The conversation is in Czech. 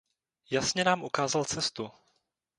Jasně nám ukázal cestu.